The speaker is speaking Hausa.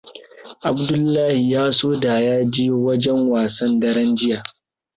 Abdullahi ya so da ya je wajen wasan daren jiya.